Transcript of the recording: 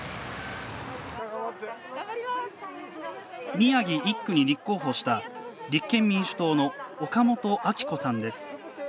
宮城１区に立候補した立憲民主党の岡本あき子さんです。